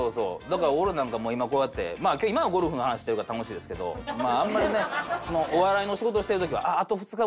だから俺なんか今こうやって今はゴルフの話してるから楽しいですけどまああんまりねお笑いの仕事してる時は。